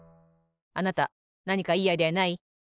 あなたなにかいいアイデアない？